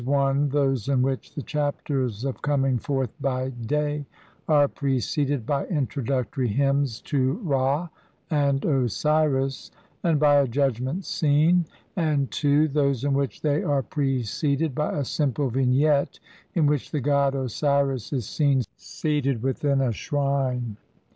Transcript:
(i) those in which the Chapters of Coming forth by Day are preceded by Introductory Hymns to Ra and Osiris, and by a Judgment Scene, and (2) those in which they are preceded by a simple Vignette in which the god Osiris is seen seated within a shrine.